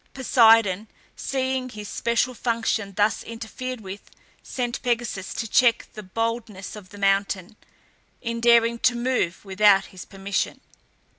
Poseidon, seeing his special function thus interfered with, sent Pegasus to check the boldness of the mountain, in daring to move without his permission.